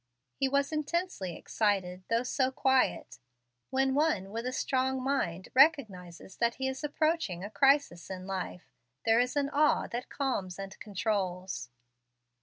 He was intensely excited, though so quiet. When one with a strong mind recognizes that he is approaching a crisis in life, there is an awe that calms and controls.